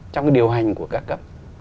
trong điều hành của các cấp